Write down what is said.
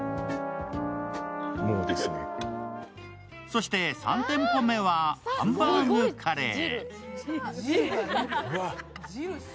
そして３店舗目はハンバーグカレー。